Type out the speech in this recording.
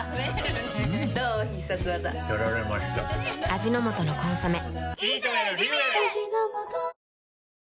味の素の「コンソメ」